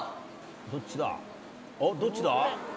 どっちだ？